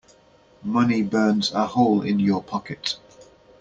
Money burns a hole in your pocket.